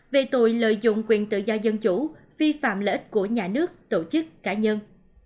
về tội lợi dụng quyền tự do dân chủ vi phạm lợi ích của nhà nước tổ chức cá nhân